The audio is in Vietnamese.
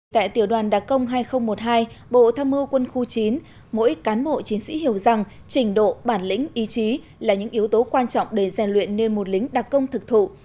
tại tiểu đoàn đặc công hai nghìn một mươi hai bộ tham mưu quân khu chín mỗi cán bộ chiến sĩ hiểu rằng trình độ bản lĩnh ý chí là những yếu tố quan trọng để gian luyện nên một lính đặc công thực thụ